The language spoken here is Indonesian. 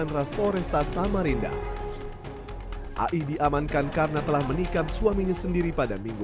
nrasmoresta samarinda ai diamankan karena telah menikah suaminya sendiri pada minggu